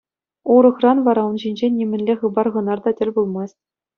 Урӑхран вара ун ҫинчен нимӗнле хыпар-хӑнар та тӗл пулмасть.